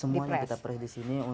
semuanya kita pres di sini